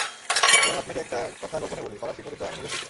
এবং আপনাকে একটা কথা গোপনে বলি, ফরাসি পরিচয়ে আমি নিজেও খুশি না।